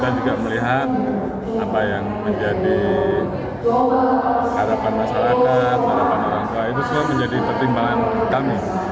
karena kita juga melihat apa yang menjadi harapan masyarakat harapan orang tua itu semua menjadi pertimbangan kami